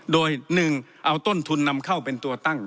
โดย๑เอาต้นทุนนำเข้าเป็นตัวตั้ง